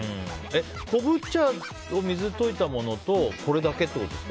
昆布茶を水で溶いたものとこれだけってことですか。